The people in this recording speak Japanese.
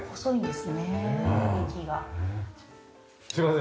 すいません